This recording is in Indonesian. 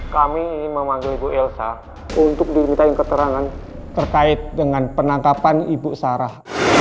kami ingin memanggil ibu elsa untuk dimintain keterangan terkait dengan penangkapan ibu sarah